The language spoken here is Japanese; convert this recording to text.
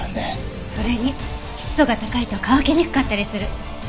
それに湿度が高いと乾きにくかったりする。